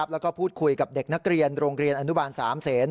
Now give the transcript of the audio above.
และพูดคุยกับเด็กนักเรียนโรงเรียนอนุบาลสามเศษ